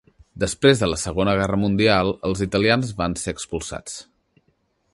Després de la Segona Guerra Mundial els italians van ser expulsats.